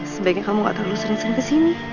sebaiknya kamu gak terlalu sering sering kesini